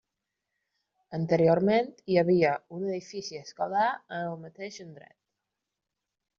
Anteriorment hi havia un edifici escolar en el mateix indret.